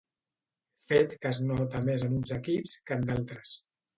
Fet que es nota més en uns equips que en d'altres.